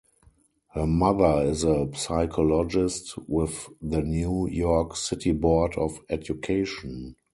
Her mother is a psychologist with the New York City Board of Education.